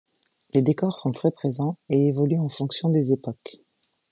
Les décors sont très présents et évoluent en fonction des époques.